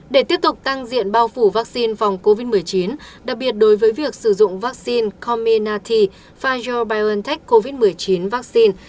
để tiếp tục tăng diện bao phủ vaccine phòng covid một mươi chín đặc biệt đối với việc sử dụng vaccine commenati pfijer biontech covid một mươi chín vaccine